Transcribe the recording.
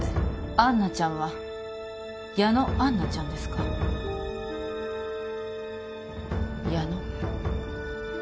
アンナちゃんは矢野杏奈ちゃんですか矢野？